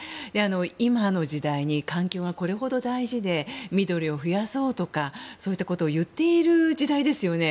今の時代に環境がこれほど大事で緑を増やそうとかそういったことを言ってる時代ですよね。